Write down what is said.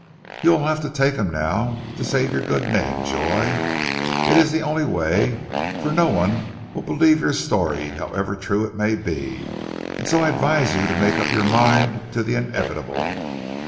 You will have to take him now to save your good name, Joy. It is the only way, for no one will believe your story, however true it may be, and so I advise you to make up your mind to the inevitable....